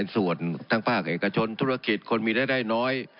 ส่วนทั้งภาคเอกชนธุรกิจคนมีรายได้น้อย